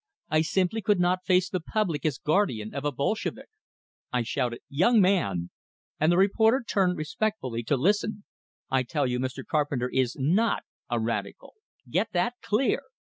I simply could not face the public as guardian of a Bolshevik! I shouted: "Young man!" And the reporter turned, respectfully, to listen. "I tell you, Mr. Carpenter is not a radical! Get that clear!"